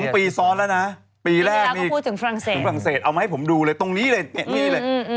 ๒ปีซ้อนแล้วนะปีแรกมีอีกเอามาให้ผมดูเลยตรงนี้เลยในเน็ตนี้เลย